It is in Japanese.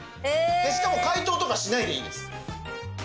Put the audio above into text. しかも解凍とかしないでいいです。